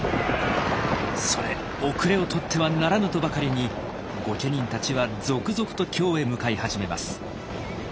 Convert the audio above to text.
「それ後れを取ってはならぬ！」とばかりに御家人たちは続々と京へ向かい始めます。